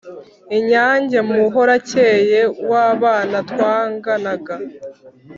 Inyange muhorakeye uw’abana twanganaga